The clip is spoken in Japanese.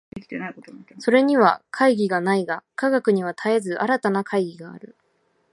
それには懐疑がないが、科学には絶えず新たな懐疑がある。